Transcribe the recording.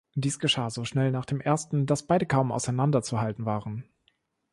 Dies geschah so schnell nach dem ersten, dass beide kaum auseinanderzuhalten waren.